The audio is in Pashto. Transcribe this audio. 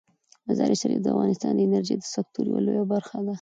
مزارشریف د افغانستان د انرژۍ د سکتور یوه لویه برخه ده.